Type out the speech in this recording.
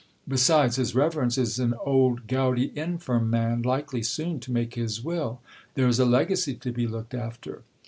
Besides, his reverence is an old, gouty, infirm man, likely soon to make his will : there is a legacy to be looked after.